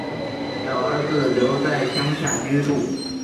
小儿子留在乡下居住